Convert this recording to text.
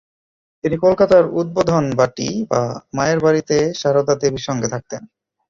তিনি কলকাতার উদ্বোধন বাটী বা মায়ের বাড়িতে সারদা দেবীর সঙ্গে থাকতেন।